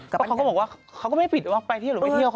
เพราะเขาก็บอกว่าเขาก็ไม่ผิดว่าไปเที่ยวหรือไม่เที่ยว